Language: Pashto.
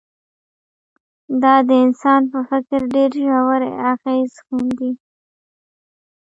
دا د انسان په فکر ډېر ژور اغېز ښندي